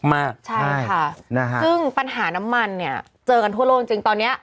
มากใช่ค่ะนะฮะซึ่งปัญหาน้ำมันเนี่ยเจอกันทั่วโลกจริงตอนเนี้ย